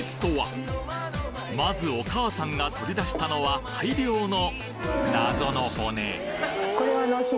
まずお母さんが取り出したのは大量のこれはあの。